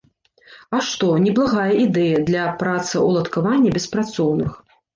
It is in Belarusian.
А што, неблагая ідэя для працаўладкавання беспрацоўных!